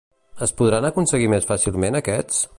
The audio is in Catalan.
Es podran aconseguir més fàcilment aquests?